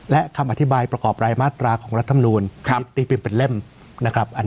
และคำอธิบายประกอบรายมาตราของรัฐมนูลตีพิมพ์เป็นเล่มนะครับ